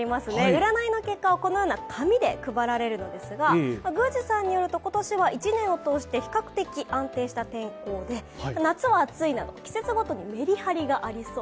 占いの結果はこのような紙で配られるのですが、宮司さんによると、今年は１年を通して比較的安定した天候で夏は暑いなど季節ごとにメリハリがありそう。